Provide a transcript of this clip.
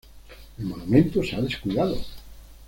El monumento se ha descuidado.